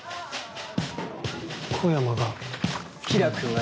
小山が？